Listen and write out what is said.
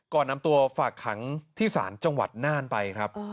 ก่อนนำตัวฝากขังที่ศาลจังหวัดน่านไปครับ